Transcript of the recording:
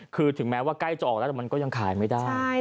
คือถึงแม้ว่าใกล้จะออกแล้วแต่มันก็ยังขายไม่ได้